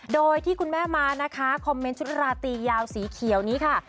โดยที่คุณแม่ม้านะคะคอมเมนต์ชุดราตียาวสีเขียวนี้ค่ะ